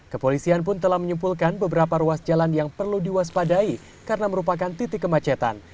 kepolisian pun telah menyimpulkan beberapa ruas jalan yang perlu diwaspadai karena merupakan titik kemacetan